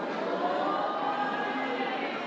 แทน๓แทน๖